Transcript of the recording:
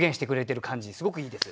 すごくいいですよね。